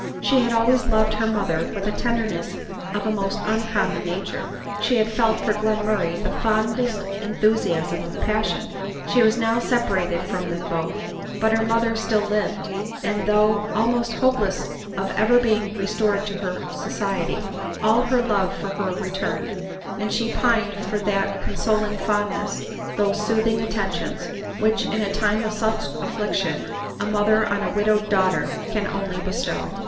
She had always loved her mother with a tenderness of a nost uncommon nature a r she had felt for Gtenmurray the fond est enthusiasm of passion ; she was now separated* from tbero both. But her mother still lived; and though almost hopeless of ever being restored to her society, all her love for her returned ; and she pined for that consoling fondness, those soothing attentions, which, in a time of such affliction, a mother on a widowed daughter can alone bestow.